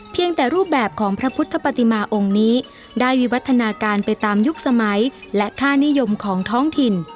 แต่รูปแบบของพระพุทธปฏิมาองค์นี้ได้วิวัฒนาการไปตามยุคสมัยและค่านิยมของท้องถิ่น